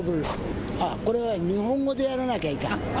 これは日本語でやらなきゃいかん。